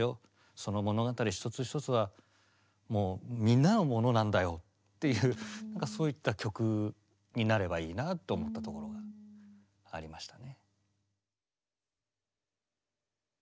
その物語一つ一つがもうみんなのものなんだよっていう何かそういった曲になればいいなあと思ったところがありましたね。